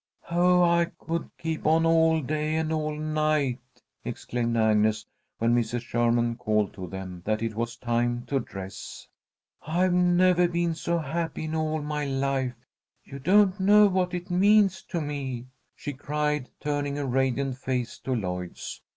"Oh, I could keep on all day and all night!" exclaimed Agnes, when Mrs. Sherman called to them that it was time to dress. "I've never been so happy in all my life! You don't know what it means to me!" she cried, turning a radiant face to Lloyd's.